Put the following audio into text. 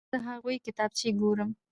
زه د هغوی کتابچې ګورم.